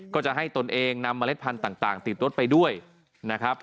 ก็จะให้ตนเองนำเมล็ดพันธุ์ต่างติดรถไปด้วยนะครับ